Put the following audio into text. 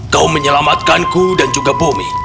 kau menyelamatkan ku dan juga bumi